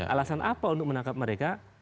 alasan apa untuk menangkap mereka